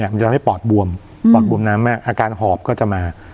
มันทำให้ปอดบวมปอดบวมน้ำมากอาการหอบก็จะมา